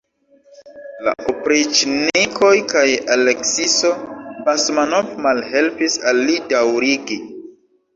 La opriĉnikoj kaj Aleksiso Basmanov malhelpis al li daŭrigi.